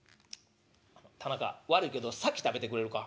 「田中悪いけど先食べてくれるか？」。